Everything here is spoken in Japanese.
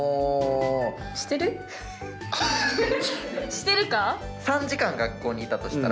してるか？